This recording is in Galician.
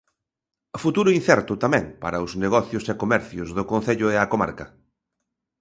Futuro incerto tamén para os negocios e comercios do concello e a comarca.